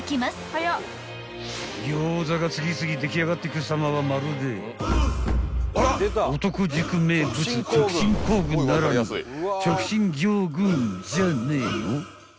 ［餃子が次々出来上がってくさまはまるで男塾名物直進行軍ならぬ直進餃軍じゃねえの］